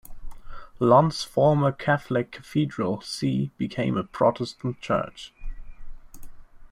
Lund's former Catholic cathedral see became a Protestant church.